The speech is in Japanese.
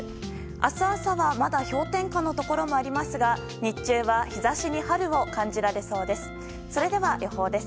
明日朝はまだ氷点下のところもありますが日中は、日差しに春を感じられそうです。